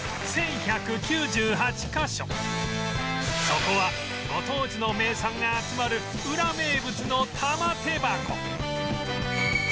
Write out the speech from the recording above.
そこはご当地の名産が集まるウラ名物の玉手箱